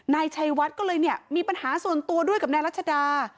นายชัยวัดก็เลยเนี่ยมีปัญหาส่วนตัวด้วยกับนายรัชดา